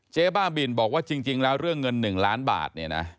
เจ๊บ้าบินบอกว่าจริงแล้วเรื่องเงิน๑ล้านบาท